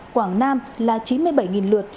quảng nam là chín mươi bảy lượt